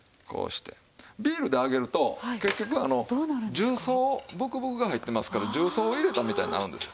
ビールで揚げると結局重曹ブクブクが入ってますから重曹を入れたみたいになるんですよ。